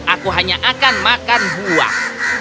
aku hanya akan makan buah